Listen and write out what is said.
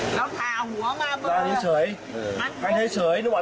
แล้วทาหัวไมล่ะ